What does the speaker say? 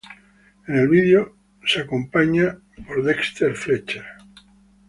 En el video es acompañada por Dexter Fletcher.